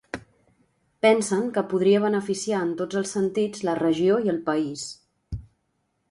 Pensen que podria beneficiar en tots els sentits la regió i el país.